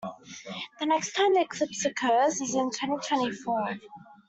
The next time the eclipse occurs is in twenty-twenty-four.